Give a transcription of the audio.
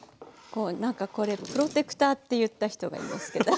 なんかこれプロテクターって言った人がいますけど。